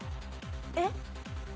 えっ？